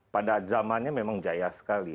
pada zamannya memang jaya sekali